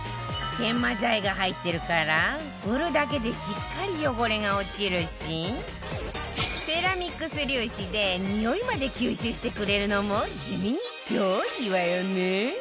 研磨剤が入ってるから振るだけでしっかり汚れが落ちるしセラミックス粒子でにおいまで吸収してくれるのも地味に超いいわよね